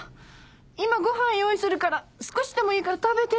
今ご飯用意するから少しでもいいから食べてって。